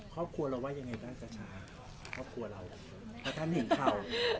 ครอบครัวเราว่ายังไงบ้างช้าครอบครัวเราพอท่านเห็นข่าว